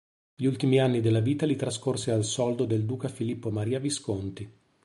Gli ultimi anni della vita li trascorse al soldo del duca Filippo Maria Visconti.